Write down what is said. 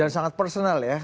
dan sangat personal ya